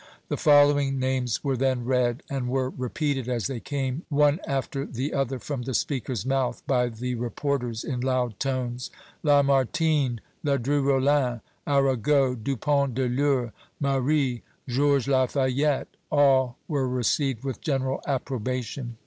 The following names were then read, and were repeated as they came one after the other from the speaker's mouth by the reporters in loud tones: Lamartine, Ledru Rollin, Arago, Dupont de l'Eure, Marie, Georges Lafayette; all were received with general approbation.